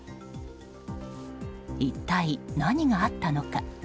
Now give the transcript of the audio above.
一体、何があったのか。